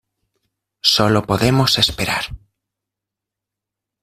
solo podemos esperar.